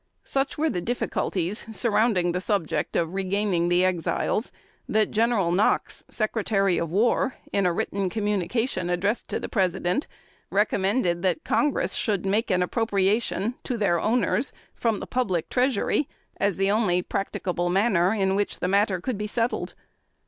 Such were the difficulties surrounding the subject of regaining the Exiles, that General Knox, Secretary of War, in a written communication addressed to the President, recommended that Congress should make an appropriation to their owners, from the public treasury, as the only practicable manner in which that matter could be settled.